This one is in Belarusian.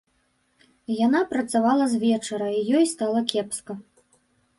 Яна працавала з вечара і ёй стала кепска.